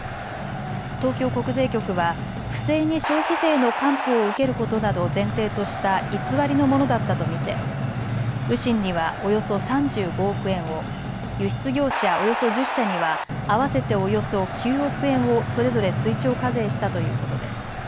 東京国税局は不正に消費税の還付を受けることなどを前提とした偽りのものだったと見て雨辰にはおよそ３５億円を、輸出業者およそ１０社には合わせておよそ９億円をそれぞれ追徴課税したということです。